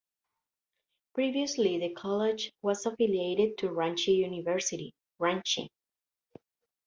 Previously the college was affiliated to Ranchi University, Ranchi.